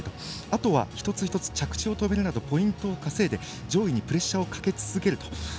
あとは一つ一つ着地を止めるなどポイントを稼いで上位にプレッシャーをかけ続けると。